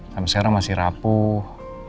sampai sekarang masih rapuh